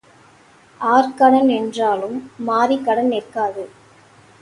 R கடன் நின்றாலும் மாரி கடன் நிற்காது.